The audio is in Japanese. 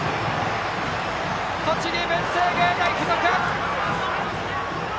栃木・文星芸大付属